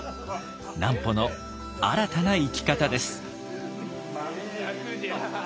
南畝の新たな生き方です。